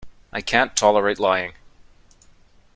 I can't tolerate lying.